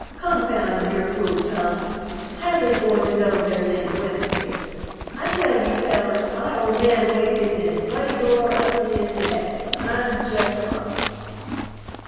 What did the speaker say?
"Confound your fool tongues, how they goin' to know there's any women here? I tell you, fellers, my old man waded in bloody gore up to his neck and I'm just like him."